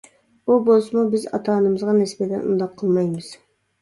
ئۇ بولسىمۇ، بىز ئاتا-ئانىمىزغا نىسبەتەن ئۇنداق قىلمايمىز.